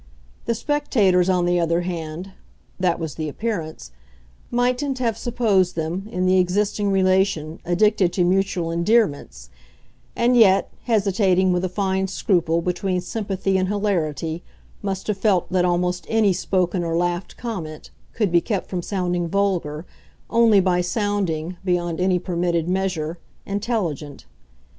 The spectators, on the other hand that was the appearance mightn't have supposed them, in the existing relation, addicted to mutual endearments; and yet, hesitating with a fine scruple between sympathy and hilarity, must have felt that almost any spoken or laughed comment could be kept from sounding vulgar only by sounding, beyond any permitted measure, intelligent.